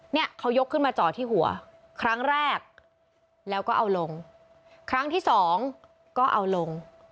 เนี่ยเขายกขึ้นมาจ่อที่หัวครั้งแรกแล้วก็เอาลงครั้งที่สองก็เอาลง